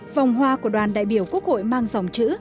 vòng hoa của đoàn đại biểu quốc hội mang dòng chữ